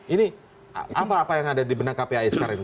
ini apa apa yang ada di benak kpai sekarang ini